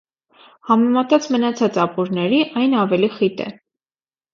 Համեմատած մնացած ապուրների, այն ավելի խիտ է։